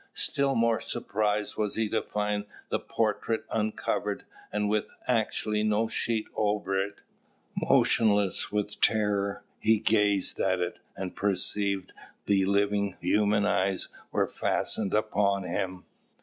Still more surprised was he to find the portrait uncovered, and with actually no sheet over it. Motionless with terror, he gazed at it, and perceived that the living, human eyes were fastened upon him.